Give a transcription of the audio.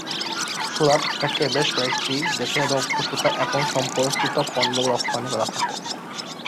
সুরাট থেকে বেশ কয়েকটি দেশে রৌপ্য সুতা এবং সম্পর্কিত পণ্য রফতানি করা হত।